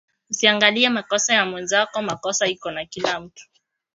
Usiangalie makosa ya mwenzako makosa iko na kila mutu